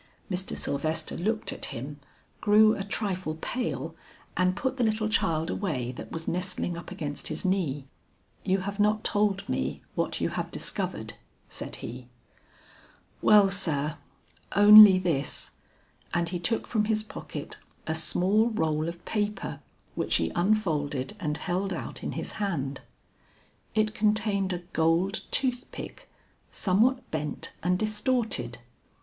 Mr. Sylvester looked at him, grew a trifle pale, and put the little child away that was nestling up against his knee. "You have not told me what you have discovered," said he. "Well, sir, only this." And he took from his pocket a small roll of paper which he unfolded and held out in his hand. It contained a gold tooth pick somewhat bent and distorted.